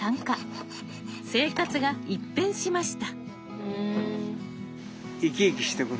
生活が一変しました。